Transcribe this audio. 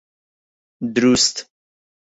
دروست!